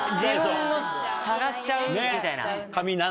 自分を探しちゃうみたいな。